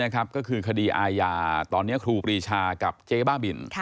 ก็คือคดีอาญาตอนนี้ครูปรีชากับเจ๊บ้าบิน